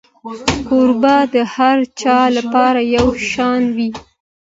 کوربه د هر چا لپاره یو شان وي.